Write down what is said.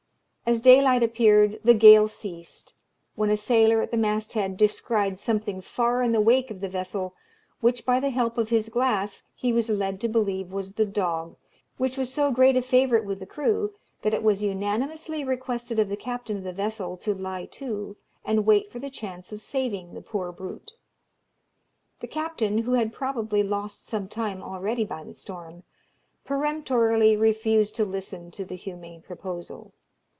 As daylight appeared the gale ceased, when a sailor at the mast head descried something far in the wake of the vessel, which, by the help of his glass, he was led to believe was the dog, which was so great a favourite with the crew that it was unanimously requested of the captain of the vessel to lie to, and wait for the chance of saving the poor brute. The captain, who had probably lost some time already by the storm, peremptorily refused to listen to the humane proposal.